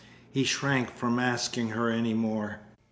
He shrank from asking her any more.